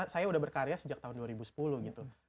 saya udah berkarya sejak tahun dua ribu sepuluh gitu